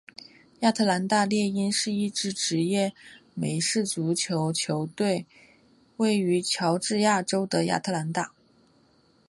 亚特兰大猎鹰是一支职业美式足球球队位于乔治亚州的亚特兰大。